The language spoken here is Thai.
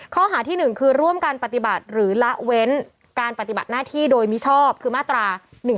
ข้อหาที่๑คือร่วมการปฏิบัติหรือละเว้นการปฏิบัติหน้าที่โดยมิชอบคือมาตรา๑๕